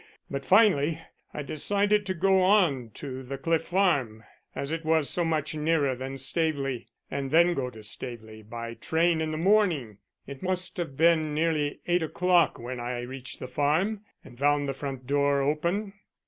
But finally I decided to go on to the Cliff Farm, as it was so much nearer than Staveley, and then go to Staveley by train in the morning. It must have been nearly eight o'clock when I reached the farm and found the front door open."